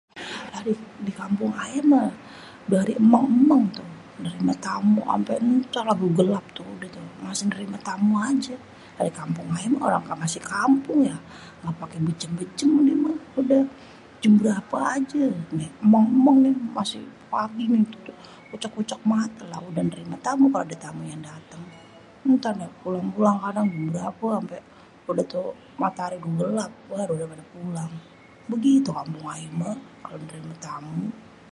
aduhh di kampung ayé mah dari émong-émong tuh.. dari lima taun ampé gélap tuh masih nerima tamu aja.. dari kampung ayé mah orang émang masih kampung yak ngga paké béjém-béjém dia mah.. udah jam bérapa aja émong-émong nih masih pagi udah ucék-ucék mata lah udah nérima kalo ada tamu yang daténg.. ntar néh pulang-pulang kadang jam berapé udah tau matahari udah gélap baru pada pulang.. bégitu kampung ayé mah kalo nérima tamu..